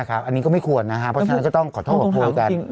อันนี้ก็ไม่ควรจึงต้องขอโทษกับโทษกัน